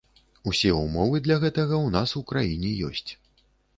Усе ўмовы для гэтага ў нас у краіне ёсць.